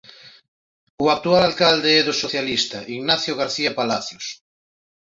O actual alcalde é do Socialista Ignacio García Palacios.